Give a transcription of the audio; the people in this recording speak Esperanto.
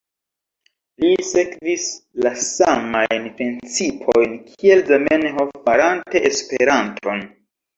Li sekvis la samajn principojn kiel Zamenhof farante Esperanton.